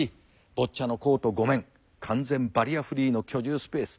ボッチャのコート５面完全バリアフリーの居住スペース。